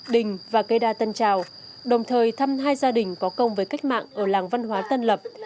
đình và cây đa tân trào đồng thời thăm hai gia đình có công với cách mạng ở làng văn hóa tân lập